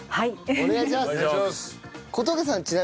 お願いします！